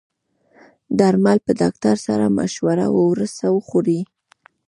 درمل په ډاکټر سره مشوره وروسته وخورئ.